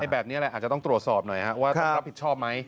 แบบนี้แหละอาจจะต้องตรวจสอบหน่อยว่าต้องรับผิดชอบไหม